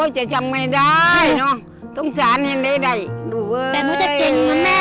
จะจำไม่ได้ต่อสารให้เหนื่อย